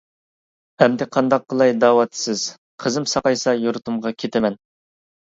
-ئەمدى قانداق قىلاي دەۋاتىسىز؟ -قىزىم ساقايسا يۇرتۇمغا كىتىمەن!